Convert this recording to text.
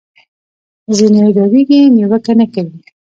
ځینې ډارېږي نیوکه نه کوي